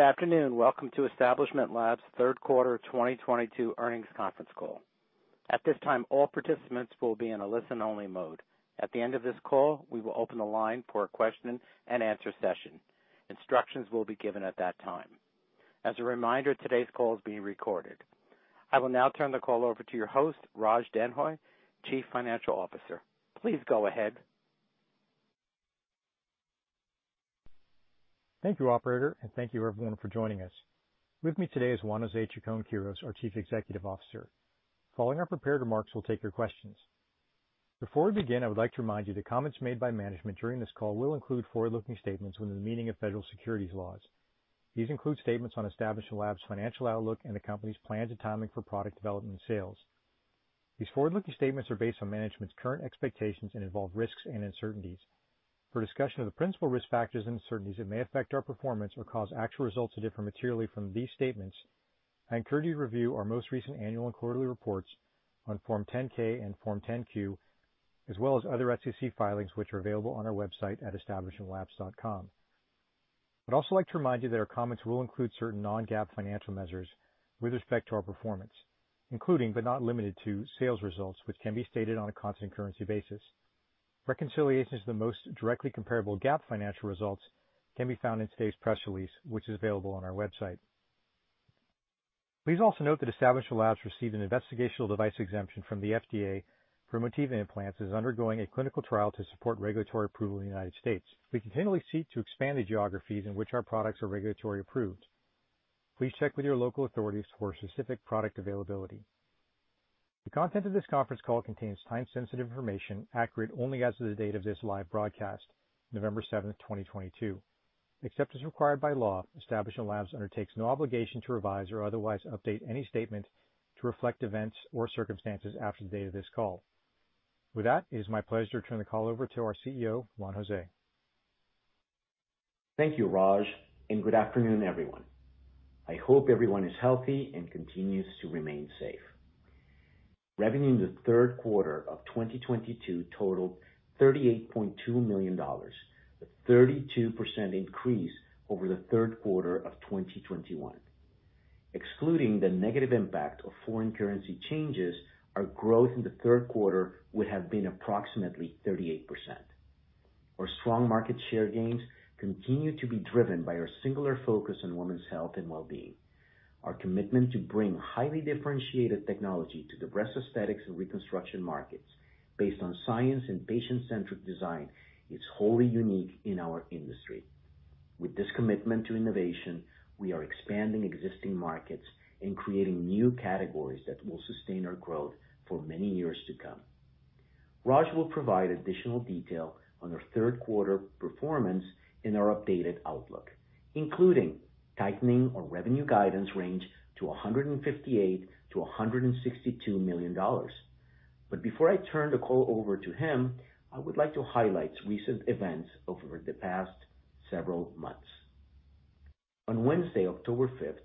Good afternoon. Welcome to Establishment Labs' third quarter 2022 earnings conference call. At this time, all participants will be in a listen-only mode. At the end of this call, we will open the line for a question and answer session. Instructions will be given at that time. As a reminder, today's call is being recorded. I will now turn the call over to your host, Raj Denhoy, Chief Financial Officer. Please go ahead. Thank you, operator. Thank you everyone for joining us. With me today is Juan José Chacón-Quirós, our Chief Executive Officer. Following our prepared remarks, we'll take your questions. Before we begin, I would like to remind you that comments made by management during this call will include forward-looking statements within the meaning of federal securities laws. These include statements on Establishment Labs' financial outlook and the company's plans and timing for product development and sales. These forward-looking statements are based on management's current expectations and involve risks and uncertainties. For a discussion of the principal risk factors and uncertainties that may affect our performance or cause actual results to differ materially from these statements, I encourage you to review our most recent annual and quarterly reports on Form 10-K and Form 10-Q, as well as other SEC filings, which are available on our website at establishmentlabs.com. I'd also like to remind you that our comments will include certain non-GAAP financial measures with respect to our performance, including, but not limited to, sales results, which can be stated on a constant currency basis. Reconciliations to the most directly comparable GAAP financial results can be found in today's press release, which is available on our website. Please also note that Establishment Labs received an investigational device exemption from the FDA for Motiva implants and is undergoing a clinical trial to support regulatory approval in the United States. We continually seek to expand the geographies in which our products are regulatory approved. Please check with your local authorities for specific product availability. The content of this conference call contains time-sensitive information, accurate only as of the date of this live broadcast, November 7th, 2022. Except as required by law, Establishment Labs undertakes no obligation to revise or otherwise update any statement to reflect events or circumstances after the date of this call. With that, it is my pleasure to turn the call over to our CEO, Juan José. Thank you, Raj, and good afternoon, everyone. I hope everyone is healthy and continues to remain safe. Revenue in the third quarter of 2022 totaled $38.2 million, a 32% increase over the third quarter of 2021. Excluding the negative impact of foreign currency changes, our growth in the third quarter would have been approximately 38%. Our strong market share gains continue to be driven by our singular focus on women's health and wellbeing. Our commitment to bring highly differentiated technology to the breast aesthetics and reconstruction markets based on science and patient-centric design is wholly unique in our industry. With this commitment to innovation, we are expanding existing markets and creating new categories that will sustain our growth for many years to come. Raj will provide additional detail on our third quarter performance and our updated outlook, including tightening our revenue guidance range to $158 million-$162 million. Before I turn the call over to him, I would like to highlight recent events over the past several months. On Wednesday, October 5th,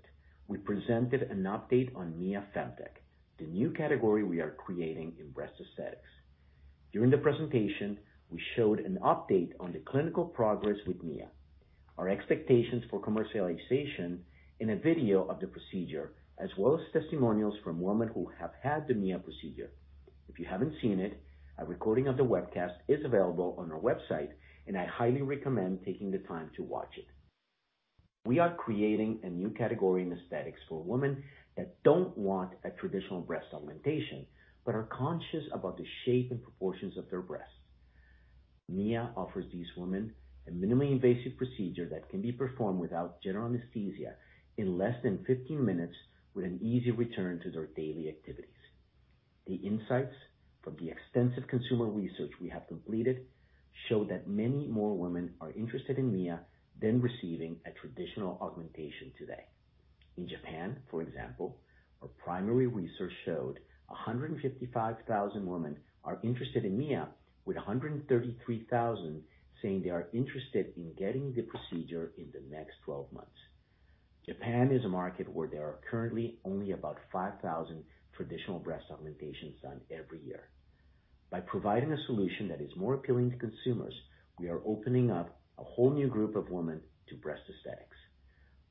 we presented an update on Mia FemTech, the new category we are creating in breast aesthetics. During the presentation, we showed an update on the clinical progress with Mia, our expectations for commercialization and a video of the procedure, as well as testimonials from women who have had the Mia procedure. If you haven't seen it, a recording of the webcast is available on our website, and I highly recommend taking the time to watch it. We are creating a new category in aesthetics for women that don't want a traditional breast augmentation, but are conscious about the shape and proportions of their breasts. Mia offers these women a minimally invasive procedure that can be performed without general anesthesia in less than 15 minutes with an easy return to their daily activities. The insights from the extensive consumer research we have completed show that many more women are interested in Mia than receiving a traditional augmentation today. In Japan, for example, our primary research showed 155,000 women are interested in Mia, with 133,000 saying they are interested in getting the procedure in the next 12 months. Japan is a market where there are currently only about 5,000 traditional breast augmentations done every year. By providing a solution that is more appealing to consumers, we are opening up a whole new group of women to breast aesthetics.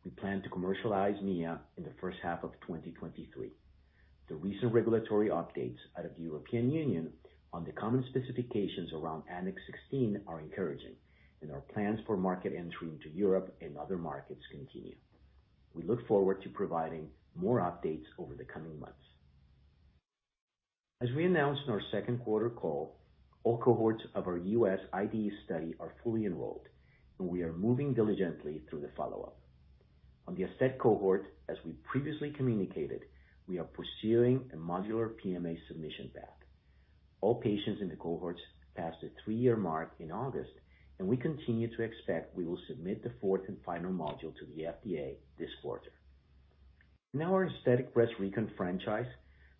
We plan to commercialize Mia in the first half of 2023. The recent regulatory updates out of the European Union on the common specifications around Annex XVI are encouraging. Our plans for market entry into Europe and other markets continue. We look forward to providing more updates over the coming months. As we announced on our second quarter call, all cohorts of our U.S. IDE study are fully enrolled, and we are moving diligently through the follow-up. On the aesthetic cohort, as we previously communicated, we are pursuing a modular PMA submission path. All patients in the cohorts passed the three-year mark in August, and we continue to expect we will submit the fourth and final module to the FDA this quarter. In our aesthetic breast recon franchise,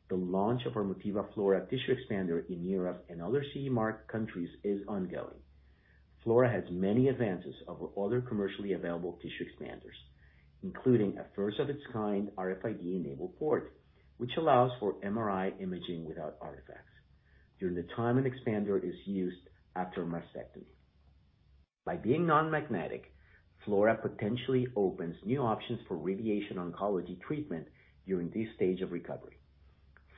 the launch of our Motiva Flora tissue expander in Europe and other CE mark countries is ongoing. Flora has many advances over other commercially available tissue expanders, including a first-of-its-kind RFID-enabled port, which allows for MRI imaging without artifacts during the time an expander is used after a mastectomy. By being non-magnetic, Flora potentially opens new options for radiation oncology treatment during this stage of recovery.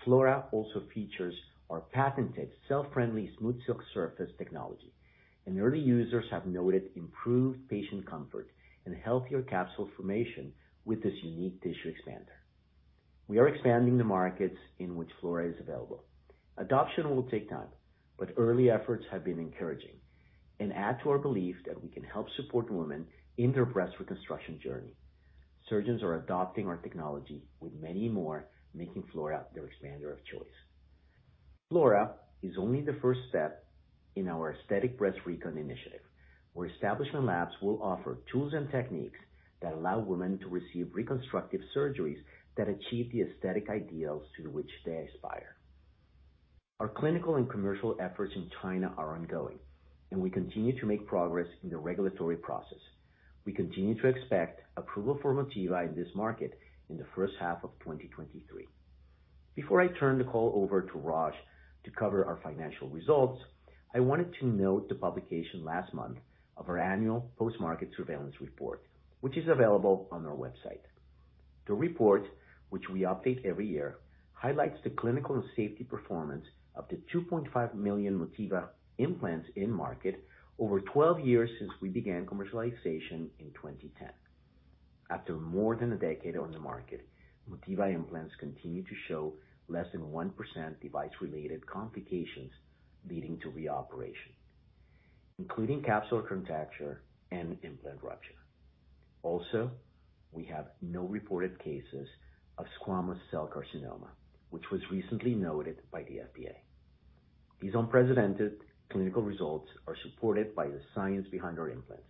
Flora also features our patented cell-friendly SmoothSilk surface technology, and early users have noted improved patient comfort and healthier capsule formation with this unique tissue expander. We are expanding the markets in which Flora is available. Adoption will take time, but early efforts have been encouraging and add to our belief that we can help support women in their breast reconstruction journey. Surgeons are adopting our technology with many more making Flora their expander of choice. Flora is only the first step in our aesthetic breast recon initiative, where Establishment Labs will offer tools and techniques that allow women to receive reconstructive surgeries that achieve the aesthetic ideals to which they aspire. Our clinical and commercial efforts in China are ongoing, and we continue to make progress in the regulatory process. We continue to expect approval for Motiva in this market in the first half of 2023. Before I turn the call over to Raj to cover our financial results, I wanted to note the publication last month of our annual post-market surveillance report, which is available on our website. The report, which we update every year, highlights the clinical and safety performance of the 2.5 million Motiva implants in-market over 12 years since we began commercialization in 2010. After more than a decade on the market, Motiva implants continue to show less than 1% device-related complications leading to reoperation, including capsular contracture and implant rupture. We have no reported cases of squamous cell carcinoma, which was recently noted by the FDA. These unprecedented clinical results are supported by the science behind our implants.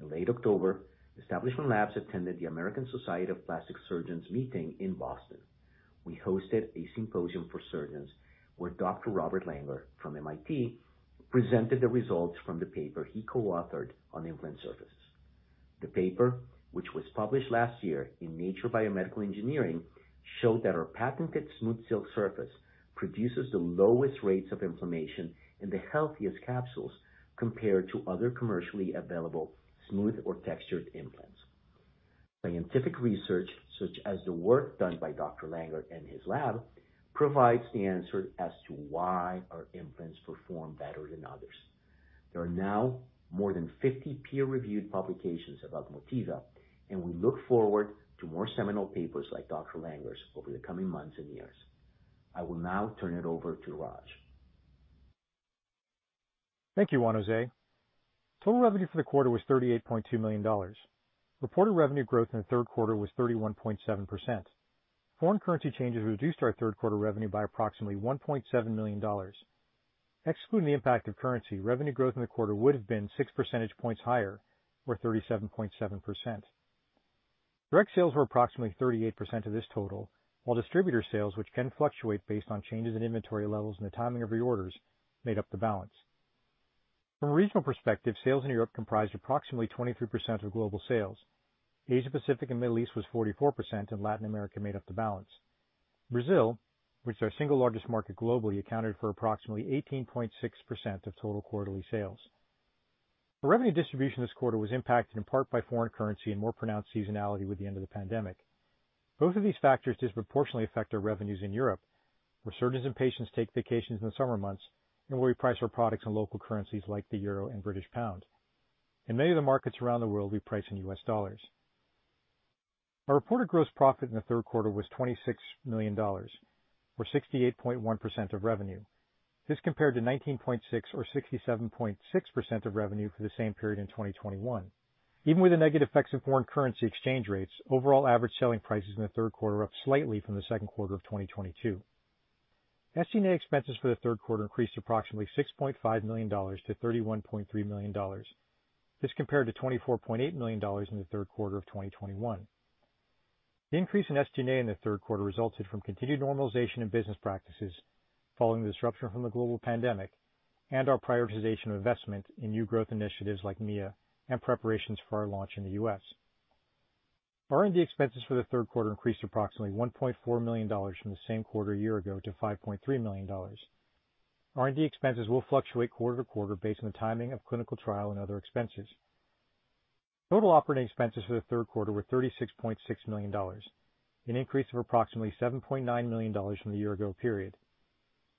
In late October, Establishment Labs attended the American Society of Plastic Surgeons meeting in Boston. We hosted a symposium for surgeons where Dr. Robert Langer from MIT presented the results from the paper he co-authored on implant surface. The paper, which was published last year in Nature Biomedical Engineering, showed that our patented SmoothSilk surface produces the lowest rates of inflammation and the healthiest capsules compared to other commercially available smooth or textured implants. Scientific research, such as the work done by Dr. Langer and his lab, provides the answer as to why our implants perform better than others. There are now more than 50 peer-reviewed publications about Motiva, and we look forward to more seminal papers like Dr. Langer's over the coming months and years. I will now turn it over to Raj. Thank you, Juan José. Total revenue for the quarter was $38.2 million. Reported revenue growth in the third quarter was 31.7%. Foreign currency changes reduced our third quarter revenue by approximately $1.7 million. Excluding the impact of currency, revenue growth in the quarter would've been six percentage points higher, or 37.7%. Direct sales were approximately 38% of this total, while distributor sales, which can fluctuate based on changes in inventory levels and the timing of reorders, made up the balance. From a regional perspective, sales in Europe comprised approximately 23% of global sales. Asia-Pacific and Middle East was 44%, and Latin America made up the balance. Brazil, which is our single largest market globally, accounted for approximately 18.6% of total quarterly sales. Our revenue distribution this quarter was impacted in part by foreign currency and more pronounced seasonality with the end of the pandemic. Both of these factors disproportionately affect our revenues in Europe, where surgeons and patients take vacations in the summer months and where we price our products in local currencies like the euro and British pound. In many of the markets around the world, we price in US dollars. Our reported gross profit in the third quarter was $26 million, or 68.1% of revenue. This compared to $19.6 million or 67.6% of revenue for the same period in 2021. Even with the negative effects of foreign currency exchange rates, overall average selling prices in the third quarter are up slightly from the second quarter of 2022. SG&A expenses for the third quarter increased approximately $6.5 million to $31.3 million. This compared to $24.8 million in the third quarter of 2021. The increase in SG&A in the third quarter resulted from continued normalization in business practices following the disruption from the global pandemic and our prioritization of investment in new growth initiatives like Mia and preparations for our launch in the U.S. R&D expenses for the third quarter increased approximately $1.4 million from the same quarter a year ago to $5.3 million. R&D expenses will fluctuate quarter-to-quarter based on the timing of clinical trial and other expenses. Total operating expenses for the third quarter were $36.6 million, an increase of approximately $7.9 million from the year ago period.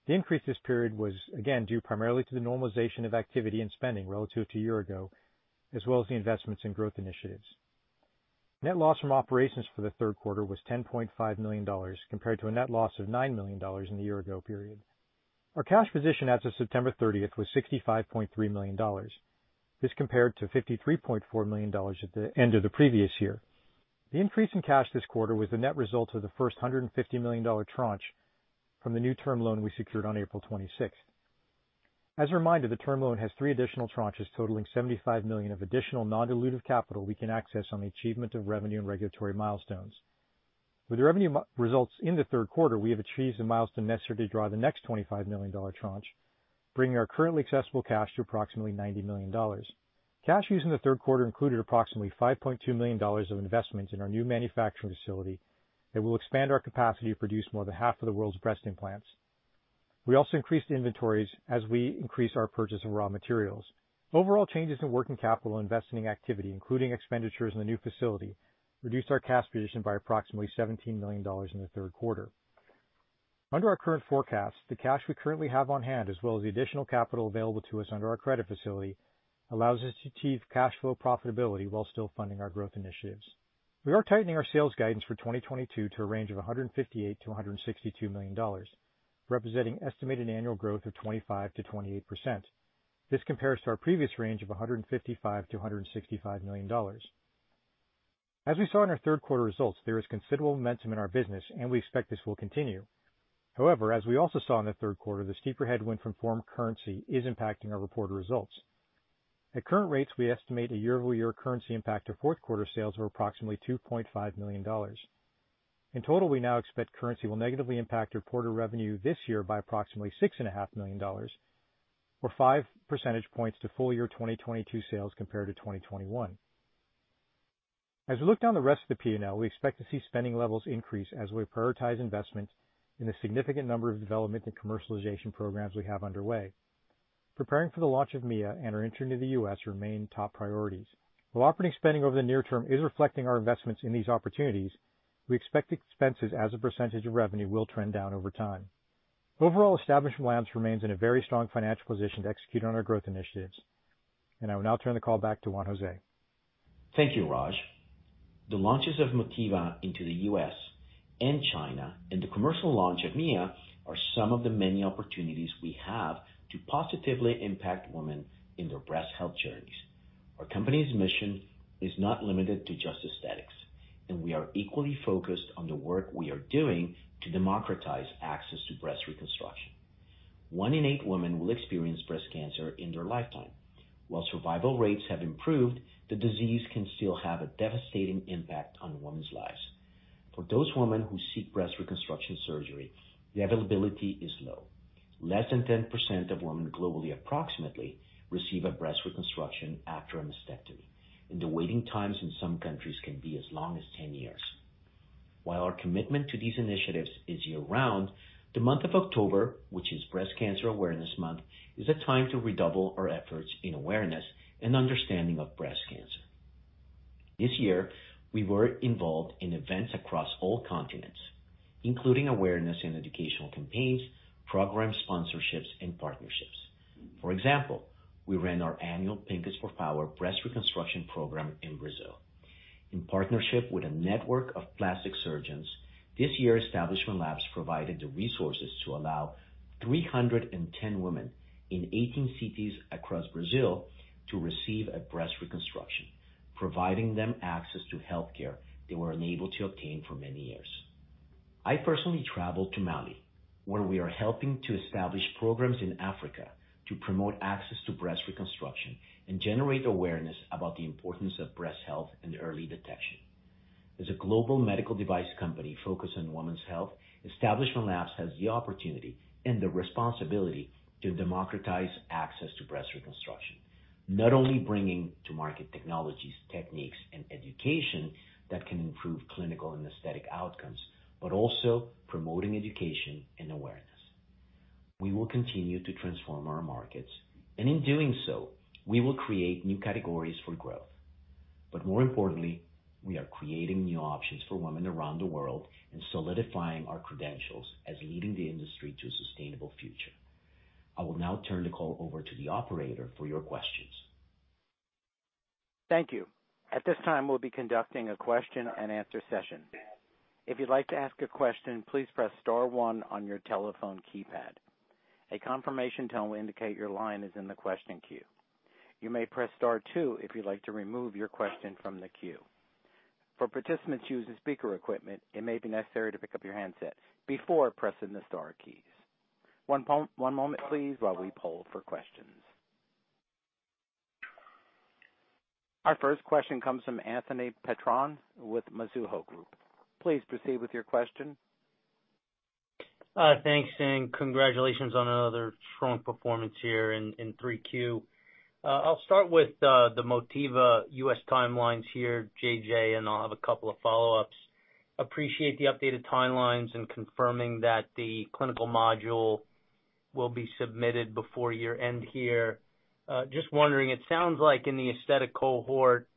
The increase this period was again, due primarily to the normalization of activity and spending relative to a year ago, as well as the investments in growth initiatives. Net loss from operations for the third quarter was $10.5 million, compared to a net loss of $9 million in the year ago period. Our cash position as of September 30th was $65.3 million. This compared to $53.4 million at the end of the previous year. The increase in cash this quarter was the net result of the first $150 million tranche from the new term loan we secured on April 26th. As a reminder, the term loan has three additional tranches totaling $75 million of additional non-dilutive capital we can access on the achievement of revenue and regulatory milestones. With the revenue results in the third quarter, we have achieved the milestone necessary to draw the next $25 million tranche bringing our currently accessible cash to approximately $90 million. Cash used in the third quarter included approximately $5.2 million of investment in our new manufacturing facility that will expand our capacity to produce more than half of the world's breast implants. We also increased inventories as we increase our purchase of raw materials. Overall changes in working capital investing activity, including expenditures in the new facility, reduced our cash position by approximately $17 million in the third quarter. Under our current forecast, the cash we currently have on hand, as well as the additional capital available to us under our credit facility, allows us to achieve cash flow profitability while still funding our growth initiatives. We are tightening our sales guidance for 2022 to a range of $158 million-$162 million, representing estimated annual growth of 25%-28%. This compares to our previous range of $155 million-$165 million. As we saw in our third quarter results, there is considerable momentum in our business, we expect this will continue. However, as we also saw in the third quarter, the steeper headwind from foreign currency is impacting our reported results. At current rates, we estimate a year-over-year currency impact to fourth quarter sales of approximately $2.5 million. In total, we now expect currency will negatively impact reported revenue this year by approximately $6.5 million or five percentage points to full year 2022 sales compared to 2021. As we look down the rest of the P&L, we expect to see spending levels increase as we prioritize investment in the significant number of development and commercialization programs we have underway. Preparing for the launch of Mia and our entry into the U.S. remain top priorities. While operating spending over the near term is reflecting our investments in these opportunities, we expect expenses as a percentage of revenue will trend down over time. Overall, Establishment Labs remains in a very strong financial position to execute on our growth initiatives. I will now turn the call back to Juan José. Thank you, Raj. The launches of Motiva into the U.S. and China and the commercial launch of Mia are some of the many opportunities we have to positively impact women in their breast health journeys. Our company's mission is not limited to just aesthetics, we are equally focused on the work we are doing to democratize access to breast reconstruction. One in eight women will experience breast cancer in their lifetime. While survival rates have improved, the disease can still have a devastating impact on women's lives. For those women who seek breast reconstruction surgery, the availability is low. Less than 10% of women globally, approximately, receive a breast reconstruction after a mastectomy, and the waiting times in some countries can be as long as 10 years. While our commitment to these initiatives is year-round, the month of October, which is Breast Cancer Awareness Month, is a time to redouble our efforts in awareness and understanding of breast cancer. This year, we were involved in events across all continents, including awareness and educational campaigns, program sponsorships, and partnerships. For example, we ran our annual Pink is for Power breast reconstruction program in Brazil. In partnership with a network of plastic surgeons, this year, Establishment Labs provided the resources to allow 310 women in 18 cities across Brazil to receive a breast reconstruction, providing them access to healthcare they were unable to obtain for many years. I personally traveled to Mali, where we are helping to establish programs in Africa to promote access to breast reconstruction and generate awareness about the importance of breast health and early detection. As a global medical device company focused on women's health, Establishment Labs has the opportunity and the responsibility to democratize access to breast reconstruction. Not only bringing to market technologies, techniques, and education that can improve clinical and aesthetic outcomes, but also promoting education and awareness. We will continue to transform our markets, and in doing so, we will create new categories for growth. More importantly, we are creating new options for women around the world and solidifying our credentials as leading the industry to a sustainable future. I will now turn the call over to the operator for your questions. Thank you. At this time, we'll be conducting a question and answer session. If you'd like to ask a question, please press star one on your telephone keypad. A confirmation tone will indicate your line is in the question queue. You may press star two if you'd like to remove your question from the queue. For participants using speaker equipment, it may be necessary to pick up your handset before pressing the star keys. One moment, please, while we poll for questions. Our first question comes from Anthony Petrone with Mizuho Group. Please proceed with your question. Thanks, and congratulations on another strong performance here in 3Q. I'll start with the Motiva U.S. timelines here, JJ, and I'll have a couple of follow-ups. Appreciate the updated timelines and confirming that the clinical module will be submitted before year-end here. Just wondering, it sounds like in the aesthetic cohort,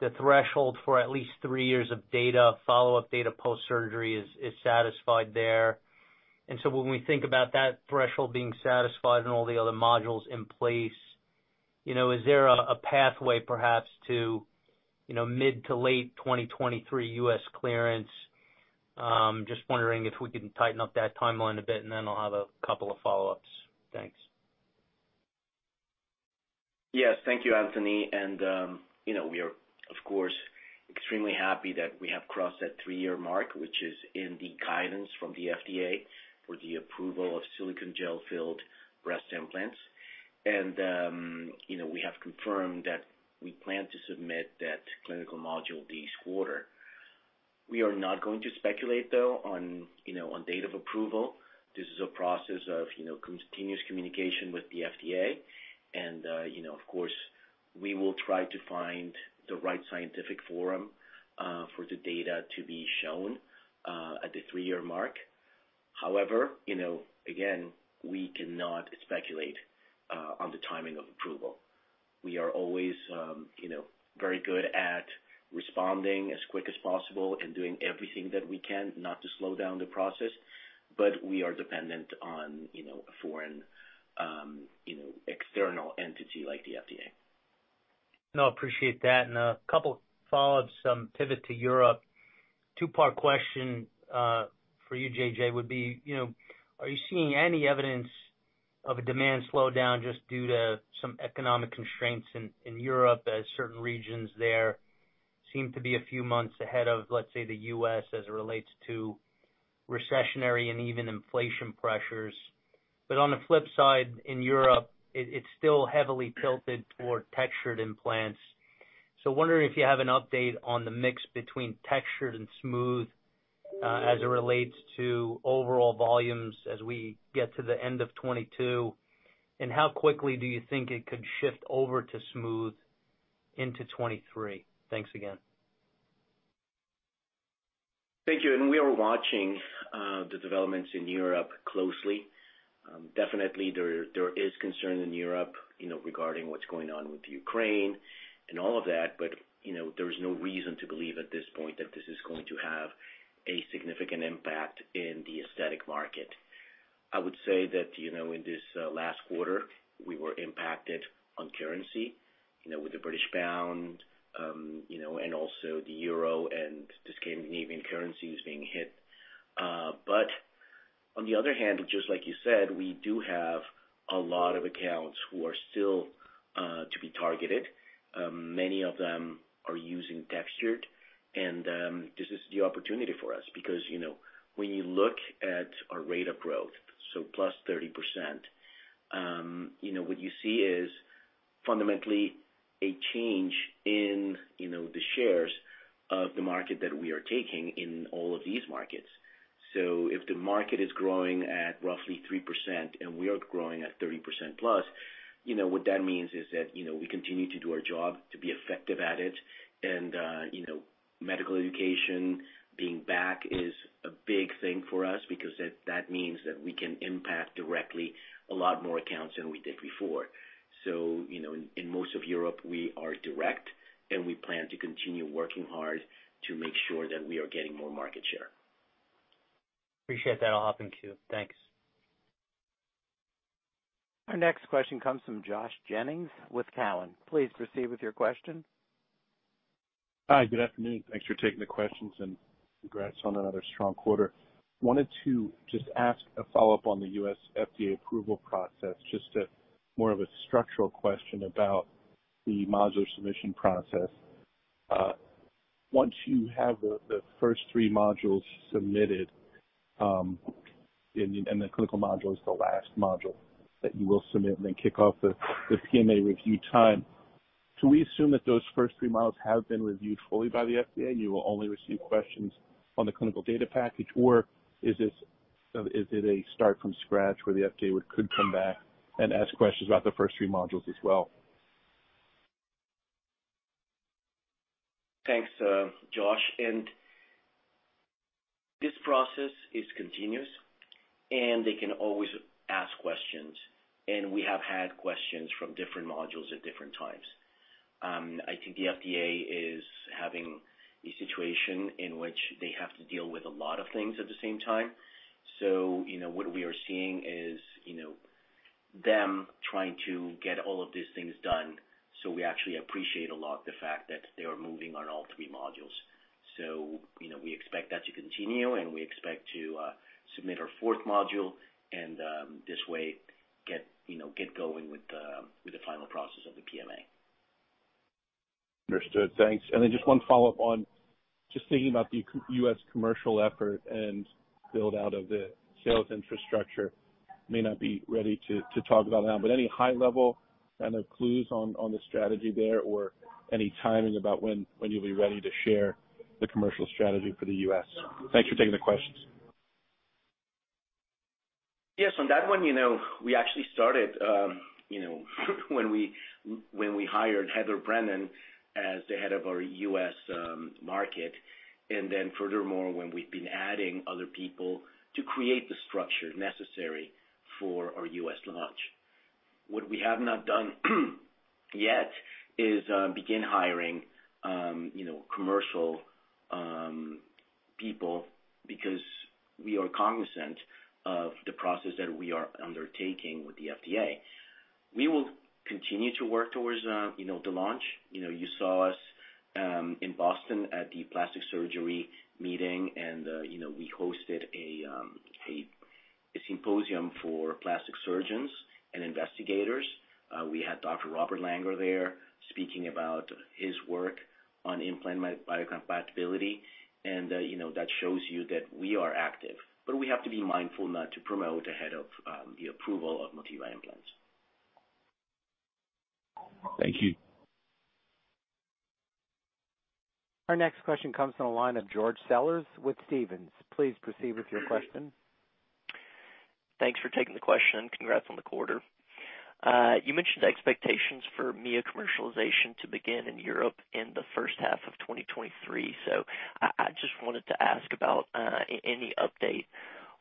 the threshold for at least three years of data, follow-up data post-surgery is satisfied there. When we think about that threshold being satisfied and all the other modules in place, is there a pathway perhaps to mid to late 2023 U.S. clearance? Just wondering if we can tighten up that timeline a bit, and then I'll have a couple of follow-ups. Thanks. Yes. Thank you, Anthony. We are, of course, extremely happy that we have crossed that three-year mark, which is in the guidance from the FDA for the approval of silicone gel-filled breast implants. We have confirmed that we plan to submit that clinical module this quarter. We are not going to speculate though on date of approval. This is a process of continuous communication with the FDA. Of course, we will try to find the right scientific forum for the data to be shown at the three-year mark. However, again, we cannot speculate on the timing of approval. We are always very good at responding as quick as possible and doing everything that we can not to slow down the process, but we are dependent on a foreign, external entity like the FDA. No, appreciate that. A couple follow-ups, some pivot to Europe. Two-part question for you, J.J., would be, are you seeing any evidence of a demand slowdown just due to some economic constraints in Europe as certain regions there seem to be a few months ahead of, let's say, the U.S. as it relates to recessionary and even inflation pressures? On the flip side, in Europe, it's still heavily tilted toward textured implants. Wondering if you have an update on the mix between textured and smooth as it relates to overall volumes as we get to the end of 2022, and how quickly do you think it could shift over to smooth into 2023? Thanks again. Thank you. We are watching the developments in Europe closely. Definitely there is concern in Europe regarding what's going on with Ukraine and all of that, but there is no reason to believe at this point that this is going to have a significant impact in the aesthetic market. I would say that in this last quarter, we were impacted on currency, with the British pound, and also the euro and the Scandinavian currencies being hit. On the other hand, just like you said, we do have a lot of accounts who are still to be targeted. Many of them are using textured, and this is the opportunity for us because when you look at our rate of growth, so +30%, what you see is fundamentally a change in the shares of the market that we are taking in all of these markets. If the market is growing at roughly 3% and we are growing at 30% plus, what that means is that we continue to do our job to be effective at it. Medical education being back is a big thing for us because that means that we can impact directly a lot more accounts than we did before. In most of Europe, we are direct, and we plan to continue working hard to make sure that we are getting more market share. Appreciate that. I'll hop in queue. Thanks. Our next question comes from Josh Jennings with Cowen. Please proceed with your question. Hi, good afternoon. Thanks for taking the questions and congrats on another strong quarter. Wanted to just ask a follow-up on the U.S. FDA approval process, just a more of a structural question about the module submission process. Once you have the first three modules submitted, and the clinical module is the last module that you will submit and then kick off the PMA review time, can we assume that those first three modules have been reviewed fully by the FDA and you will only receive questions on the clinical data package, or is it a start from scratch where the FDA could come back and ask questions about the first three modules as well? Thanks, Josh. This process is continuous, and they can always ask questions, and we have had questions from different modules at different times. I think the FDA is having a situation in which they have to deal with a lot of things at the same time. What we are seeing is them trying to get all of these things done. We actually appreciate a lot the fact that they are moving on all three modules. We expect that to continue, and we expect to submit our fourth module and, this way, get going with the final process of the PMA. Understood. Thanks. Just one follow-up on just thinking about the U.S. commercial effort and build-out of the sales infrastructure. May not be ready to talk about that, but any high-level kind of clues on the strategy there or any timing about when you'll be ready to share the commercial strategy for the U.S.? Thanks for taking the questions. Yes, on that one, we actually started when we hired Heather Brennan as the head of our U.S. market, furthermore, when we've been adding other people to create the structure necessary for our U.S. launch. What we have not done yet is begin hiring commercial people because we are cognizant of the process that we are undertaking with the FDA. We will continue to work towards the launch. You saw us in Boston at the plastic surgery meeting. We hosted a symposium for plastic surgeons and investigators. We had Dr. Robert Langer there speaking about his work on implant biocompatibility. That shows you that we are active. We have to be mindful not to promote ahead of the approval of Motiva implants. Thank you. Our next question comes on the line of George Sellers with Stephens. Please proceed with your question. Thanks for taking the question. Congrats on the quarter. You mentioned expectations for Mia commercialization to begin in Europe in the first half of 2023. I just wanted to ask about any update on the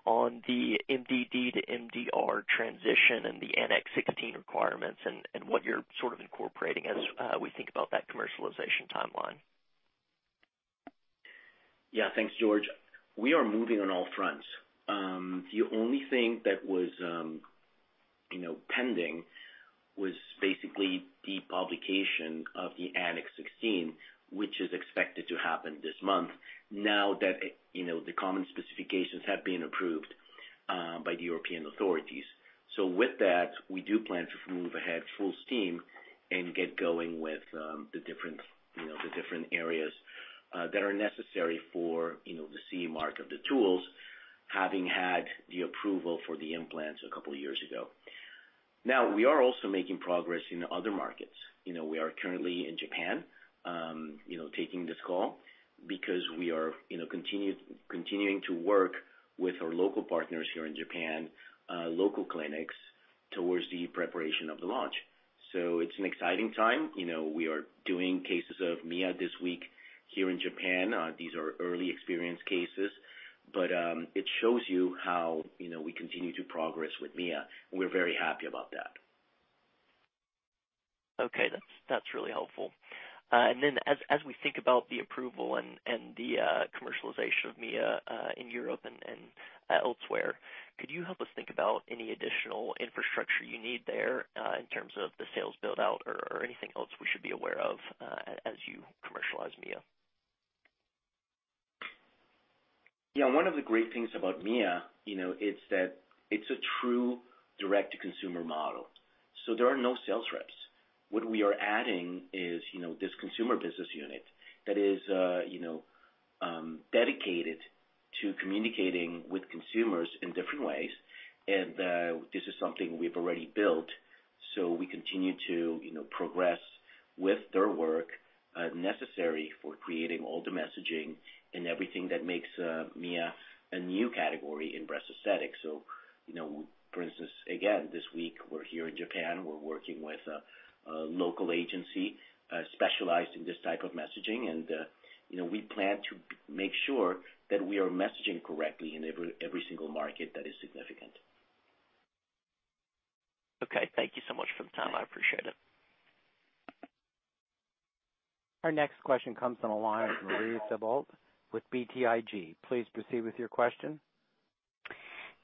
MDD to MDR transition and the Annex XVI requirements and what you're sort of incorporating as we think about that commercialization timeline. Thanks, George. We are moving on all fronts. The only thing that was pending was basically the publication of the Annex XVI, which is expected to happen this month now that the common specifications have been approved by the European authorities. With that, we do plan to move ahead full steam and get going with the different areas that are necessary for the CE mark of the tools, having had the approval for the implants a couple of years ago. We are also making progress in other markets. We are currently in Japan, taking this call because we are continuing to work with our local partners here in Japan, local clinics towards the preparation of the launch. It's an exciting time. We are doing cases of Mia this week here in Japan. These are early experience cases, it shows you how we continue to progress with Mia, and we're very happy about that. That's really helpful. As we think about the approval and the commercialization of Mia in Europe and elsewhere, could you help us think about any additional infrastructure you need there in terms of the sales build-out or anything else we should be aware of as you commercialize Mia? Yeah. One of the great things about Mia, it is that it is a true direct-to-consumer model, so there are no sales reps. What we are adding is this Consumer Business Unit that is dedicated to communicating with consumers in different ways. This is something we have already built, so we continue to progress with their work necessary for creating all the messaging and everything that makes Mia a new category in breast aesthetics. For instance, again, this week, we are here in Japan. We are working with a local agency specialized in this type of messaging, and we plan to make sure that we are messaging correctly in every single market that is significant. Okay. Thank you so much for the time. I appreciate it. Our next question comes from the line of Marie Thibault with BTIG. Please proceed with your question.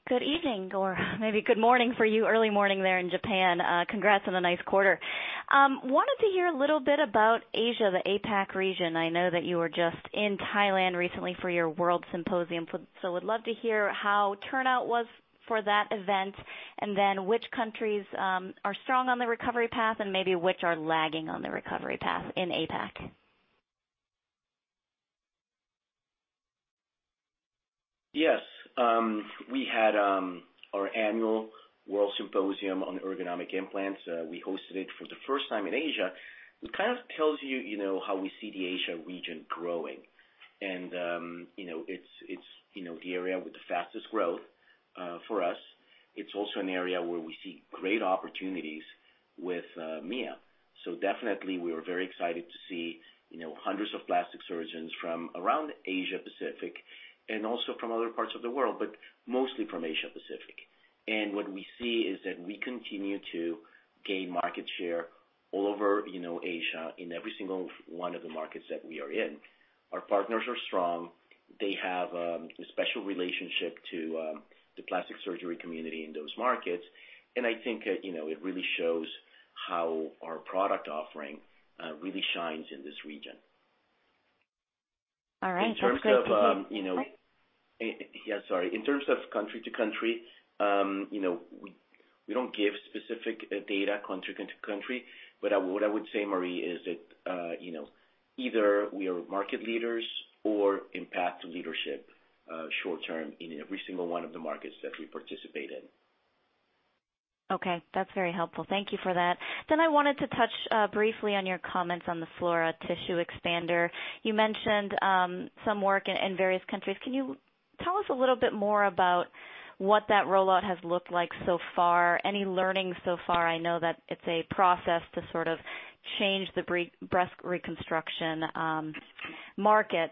Good evening. Maybe good morning for you, early morning there in Japan. Congrats on a nice quarter. Wanted to hear a little bit about Asia, the APAC region. I know that you were just in Thailand recently for your World Symposium, so would love to hear how turnout was for that event, and then which countries are strong on the recovery path and maybe which are lagging on the recovery path in APAC. Yes. We had our annual World Symposium on Ergonomic Implants. We hosted it for the first time in Asia. It kind of tells you how we see the Asia region growing. It's the area with the fastest growth for us. It's also an area where we see great opportunities with Mia. Definitely, we are very excited to see hundreds of plastic surgeons from around Asia Pacific and also from other parts of the world, but mostly from Asia Pacific. What we see is that we continue to gain market share all over Asia in every single one of the markets that we are in. Our partners are strong. They have a special relationship to the plastic surgery community in those markets, and I think it really shows how our product offering really shines in this region. All right. That's great. In terms of. Go ahead. Yeah, sorry. In terms of country to country, we don't give specific data country to country. What I would say, Marie, is that either we are market leaders or in path to leadership short-term in every single one of the markets that we participate in. Okay, that's very helpful. Thank you for that. I wanted to touch briefly on your comments on the Flora tissue expander. You mentioned some work in various countries. Can you tell us a little bit more about what that rollout has looked like so far? Any learnings so far? I know that it's a process to sort of change the breast reconstruction market.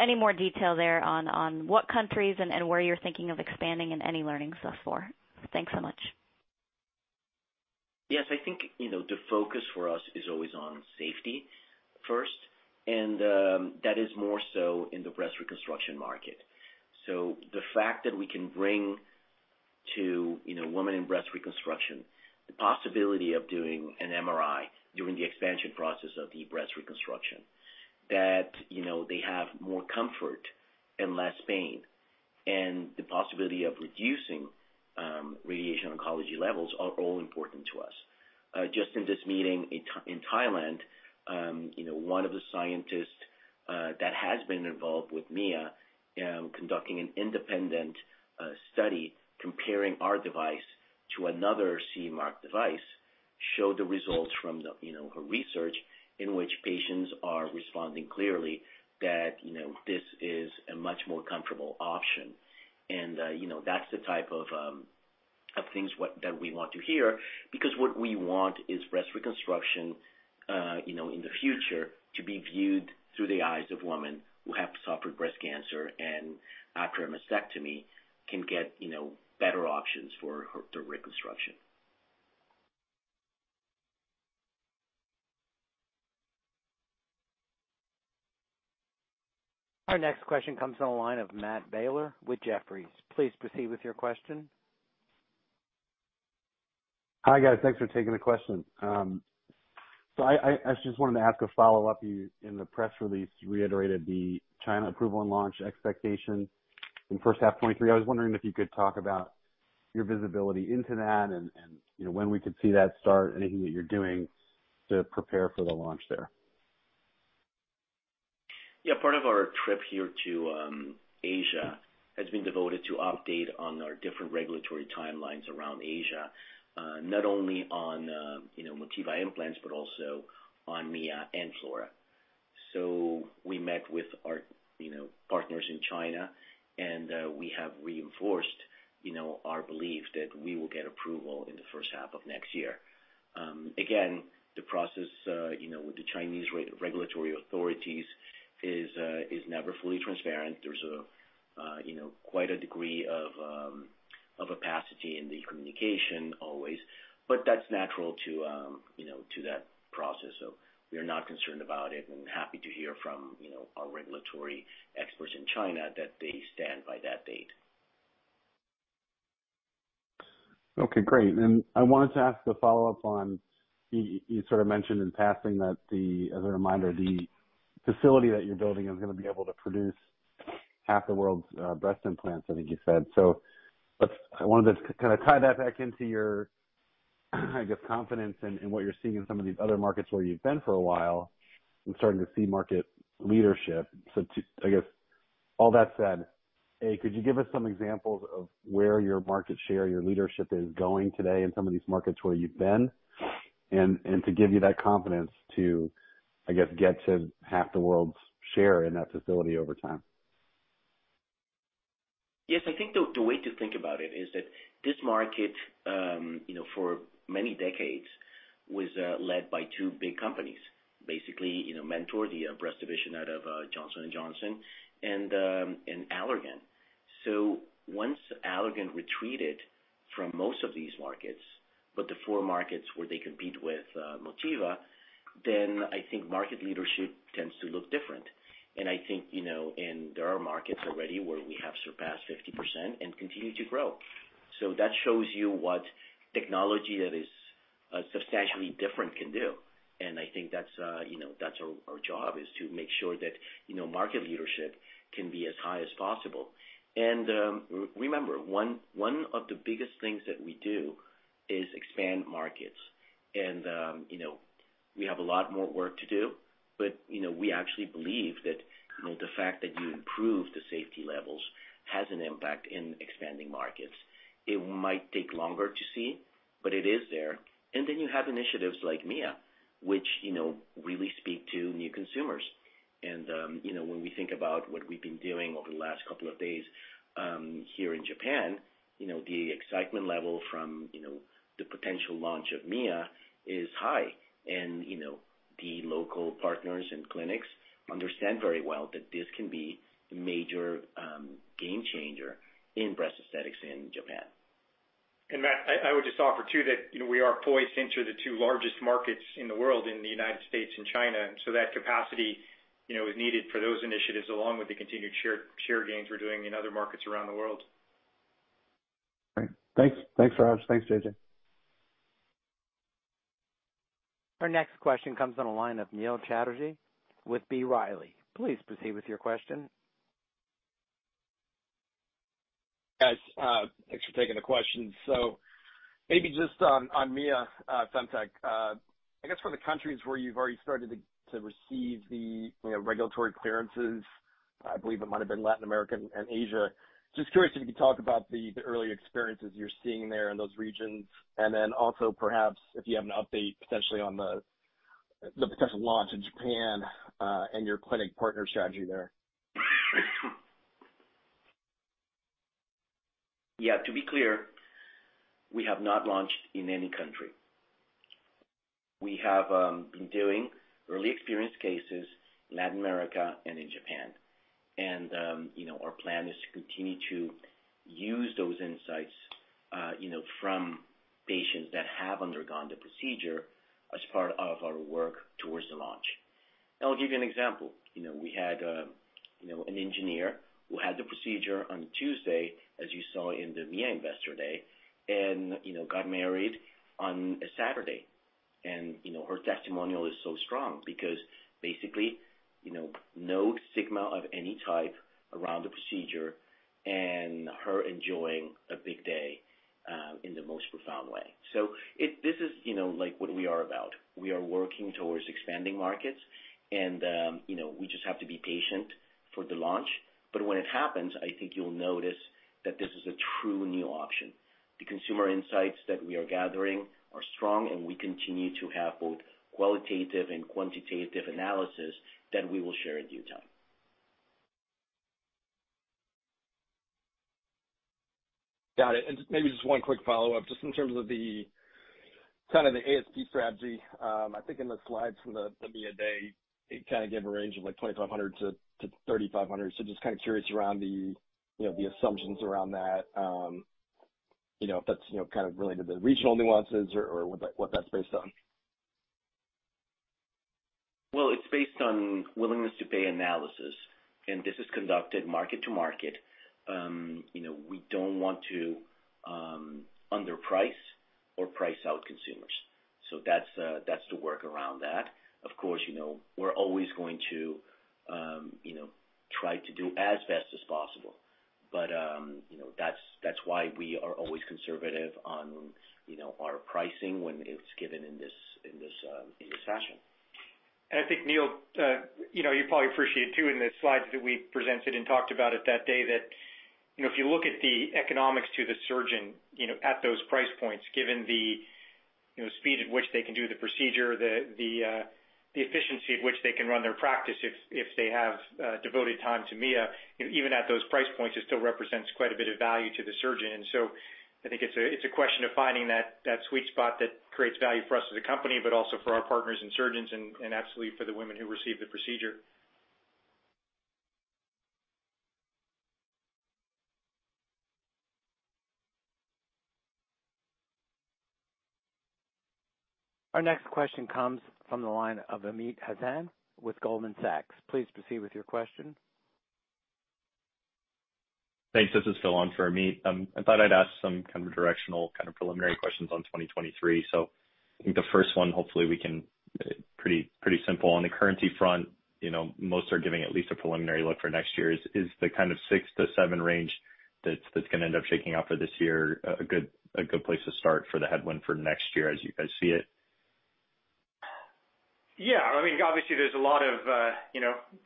Any more detail there on what countries and where you're thinking of expanding and any learnings so far? Thanks so much. Yes, I think, the focus for us is always on safety first, and that is more so in the breast reconstruction market. The fact that we can bring to women in breast reconstruction the possibility of doing an MRI during the expansion process of the breast reconstruction, that they have more comfort and less pain, and the possibility of reducing radiation oncology levels are all important to us. Just in this meeting, one of the scientists that has been involved with Mia, conducting an independent study comparing our device to another CE mark device, showed the results from her research in which patients are responding clearly that this is a much more comfortable option. That's the type of things what that we want to hear, because what we want is breast reconstruction in the future to be viewed through the eyes of women who have suffered breast cancer and after a mastectomy can get better options for her-- the reconstruction. Our next question comes on the line of Matt Taylor with Jefferies. Please proceed with your question. Hi, guys. Thanks for taking the question. I just wanted to ask a follow-up. You, in the press release, you reiterated the China approval and launch expectation in first half 2023. I was wondering if you could talk about your visibility into that and when we could see that start, anything that you're doing to prepare for the launch there. Yeah. Part of our trip here to Asia has been devoted to update on our different regulatory timelines around Asia, not only on Motiva implants, but also on Mia and Flora. We met with our partners in China, and we have reinforced our belief that we will get approval in the first half of next year. Again, the process with the Chinese regulatory authorities is never fully transparent. There's quite a degree of opacity in the communication always. That's natural to that process. We are not concerned about it, and happy to hear from our regulatory experts in China that they stand by that date. Okay, great. I wanted to ask a follow-up on, you sort of mentioned in passing that the, as a reminder, the facility that you're building is going to be able to produce half the world's breast implants, I think you said. I wanted to kind of tie that back into your, I guess, confidence in what you're seeing in some of these other markets where you've been for a while and starting to see market leadership. To, I guess, all that said, A, could you give us some examples of where your market share, your leadership is going today in some of these markets where you've been and to give you that confidence to, I guess, get to half the world's share in that facility over time? I think the way to think about it is that this market, for many decades was led by two big companies. Basically, Mentor, the breast division out of Johnson & Johnson, and Allergan. Once Allergan retreated from most of these markets, but the four markets where they compete with Motiva, I think market leadership tends to look different. I think there are markets already where we have surpassed 50% and continue to grow. That shows you what technology that is substantially different can do. I think that's our job is to make sure that market leadership can be as high as possible. Remember, one of the biggest things that we do is expand markets. We have a lot more work to do, but we actually believe that the fact that you improve the safety levels has an impact in expanding markets. It might take longer to see, but it is there. You have initiatives like Mia, which really speak to new consumers. When we think about what we've been doing over the last couple of days here in Japan, the excitement level from the potential launch of Mia is high. The local partners and clinics understand very well that this can be a major game changer in breast aesthetics in Japan. Matt, I would just offer, too, that we are poised to enter the two largest markets in the world in the U.S. and China. That capacity is needed for those initiatives along with the continued share gains we're doing in other markets around the world. Great. Thanks. Thanks, Raj. Thanks, J.J. Our next question comes on a line of Neil Chatterjee with B. Riley. Please proceed with your question. Guys, thanks for taking the questions. Maybe just on Mia FemTech, I guess for the countries where you've already started to receive the regulatory clearances, I believe it might have been Latin America and Asia. Just curious if you could talk about the early experiences you're seeing there in those regions, and then also perhaps if you have an update potentially on the potential launch in Japan, and your clinic partner strategy there. Yeah, to be clear, we have not launched in any country. We have been doing early experience cases in Latin America and in Japan. Our plan is to continue to use those insights from patients that have undergone the procedure as part of our work towards the launch. I'll give you an example. We had an engineer who had the procedure on Tuesday, as you saw in the Mia Investor Day, and got married on Saturday. Her testimonial is so strong because basically, no stigma of any type around the procedure. Her enjoying a big day in the most profound way. This is what we are about. We are working towards expanding markets and we just have to be patient for the launch. When it happens, I think you'll notice that this is a true new option. The consumer insights that we are gathering are strong, and we continue to have both qualitative and quantitative analysis that we will share in due time. Got it. Maybe just one quick follow-up, just in terms of the ASP strategy. I think in the slides from the Mia day, it kind of gave a range of $2,500-$3,500. Just kind of curious around the assumptions around that, if that's kind of related to regional nuances or what that's based on. It's based on willingness-to-pay analysis. This is conducted market to market. We don't want to underprice or price out consumers. That's the work around that. Of course, we're always going to try to do as best as possible. That's why we are always conservative on our pricing when it's given in this fashion. I think, Neil, you probably appreciate, too, in the slides that we presented and talked about it that day, that if you look at the economics to the surgeon at those price points, given the speed at which they can do the procedure, the efficiency at which they can run their practice if they have devoted time to Mia, even at those price points, it still represents quite a bit of value to the surgeon. I think it's a question of finding that sweet spot that creates value for us as a company, but also for our partners and surgeons and absolutely for the women who receive the procedure. Our next question comes from the line of Amit Hazan with Goldman Sachs. Please proceed with your question. Thanks. This is Phil on for Amit. I thought I'd ask some kind of directional kind of preliminary questions on 2023. I think the first one, hopefully we can pretty simple. On the currency front, most are giving at least a preliminary look for next year. Is the kind of six to seven range that's going to end up shaking out for this year a good place to start for the headwind for next year as you guys see it? Yeah. Obviously, there's a lot of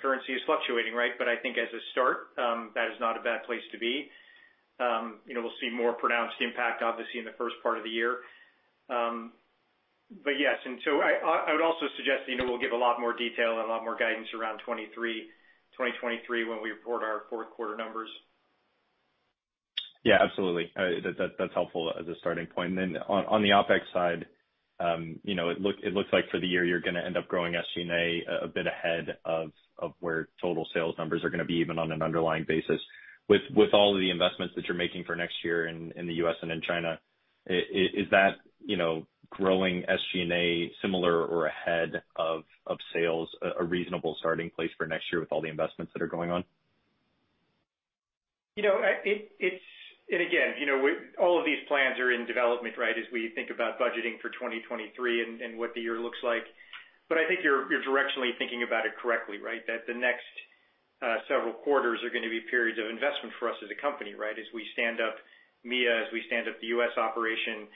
currency is fluctuating, right? I think as a start, that is not a bad place to be. We'll see more pronounced impact, obviously, in the first part of the year. Yes, I would also suggest we'll give a lot more detail and a lot more guidance around 2023 when we report our fourth quarter numbers. Yeah, absolutely. That's helpful as a starting point. On the OpEx side, it looks like for the year, you're going to end up growing SG&A a bit ahead of where total sales numbers are going to be, even on an underlying basis. With all of the investments that you're making for next year in the U.S. and in China, is that growing SG&A similar or ahead of sales a reasonable starting place for next year with all the investments that are going on? Again, all of these plans are in development, as we think about budgeting for 2023 and what the year looks like. I think you're directionally thinking about it correctly. That the next several quarters are going to be periods of investment for us as a company. As we stand up Mia, as we stand up the U.S. operation.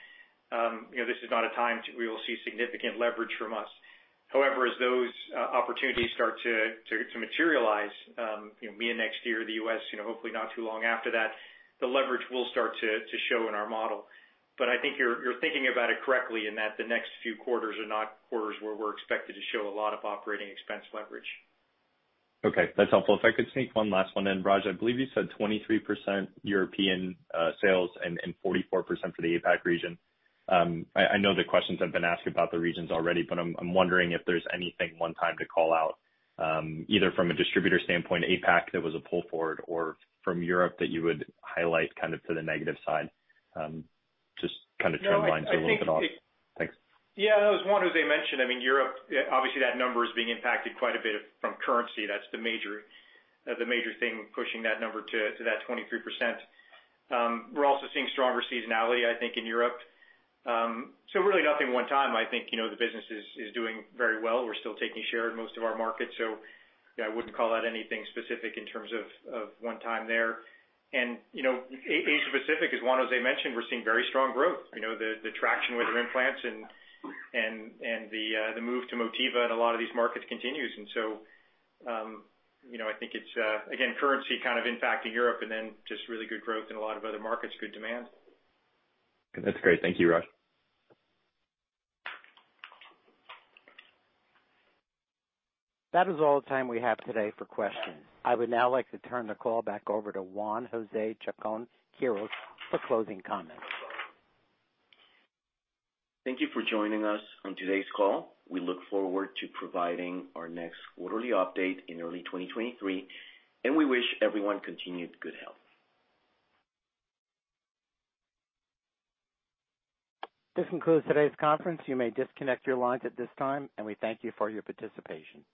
This is not a time we will see significant leverage from us. However, as those opportunities start to materialize, Mia next year, the U.S. hopefully not too long after that, the leverage will start to show in our model. I think you're thinking about it correctly in that the next few quarters are not quarters where we're expected to show a lot of operating expense leverage. Okay, that's helpful. If I could sneak one last one in. Raj, I believe you said 23% European sales and 44% for the APAC region. I know the questions have been asked about the regions already, I'm wondering if there's anything one time to call out, either from a distributor standpoint, APAC that was a pull forward or from Europe that you would highlight kind of to the negative side. Just kind of trend lines a little bit. Thanks. That was Juan José mentioned. Europe, obviously, that number is being impacted quite a bit from currency. That's the major thing pushing that number to that 23%. We're also seeing stronger seasonality, I think, in Europe. Really nothing one time, I think, the business is doing very well. We're still taking share in most of our markets. I wouldn't call out anything specific in terms of one time there. Asia Pacific, as Juan José mentioned, we're seeing very strong growth. The traction with implants and the move to Motiva in a lot of these markets continues. I think it's, again, currency kind of impacting Europe and then just really good growth in a lot of other markets, good demand. That's great. Thank you, Raj. That is all the time we have today for questions. I would now like to turn the call back over to Juan José Chacón-Quirós for closing comments. Thank you for joining us on today's call. We look forward to providing our next quarterly update in early 2023, and we wish everyone continued good health. This concludes today's conference. You may disconnect your lines at this time, and we thank you for your participation.